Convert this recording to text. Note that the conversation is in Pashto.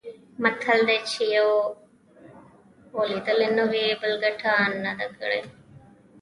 متل دی: چې یو غولېدلی نه وي، بل ګټه نه ده کړې.